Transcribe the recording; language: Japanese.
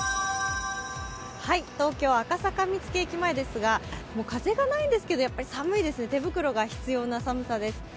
東京・赤坂見附駅前ですが風がないんですけど、寒いです、手袋がないと寒いです。